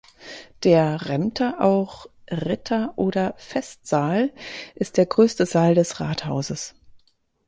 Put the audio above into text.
Der Remter, auch "Ritter-" oder "Festsaal", ist der größte Saal des Rathauses.